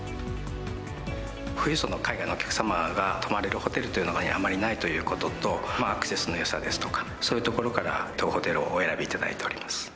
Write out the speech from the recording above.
富裕層の海外のお客様が泊まれるホテルというのがあまりないということと、アクセスのよさですとか、そういうところから、当ホテルをお選びいただいております。